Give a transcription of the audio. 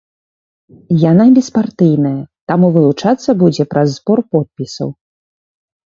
Яна беспартыйная, таму вылучацца будзе праз збор подпісаў.